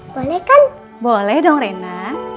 soalnya kan boleh dong rena